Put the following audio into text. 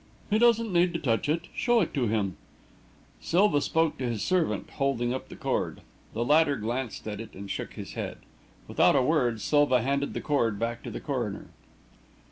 "He doesn't need to touch it. Show it to him." Silva spoke to his servant, holding up the cord. The latter glanced at it and shook his head. Without a word, Silva handed the cord back to the coroner.